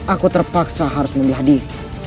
aku terpaksa harus membelah diri